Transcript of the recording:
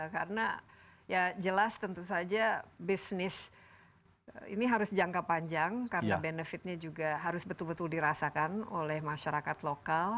karena ya jelas tentu saja bisnis ini harus jangka panjang karena benefitnya juga harus betul betul dirasakan oleh masyarakat lokal